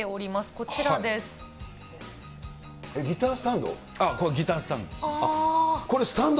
これ、ギタースタンド。